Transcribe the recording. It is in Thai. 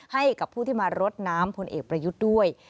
ให้กับผู้ที่มารดน้ำพลเอกประยุทธ์ด้วย